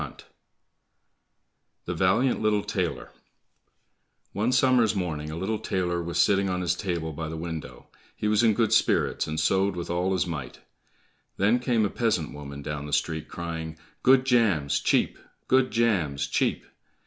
20 The Valiant Little Tailor One summer's morning a little tailor was sitting on his table by the window; he was in good spirits, and sewed with all his might. Then came a peasant woman down the street crying, "Good jams, cheap! Good jams, cheap!"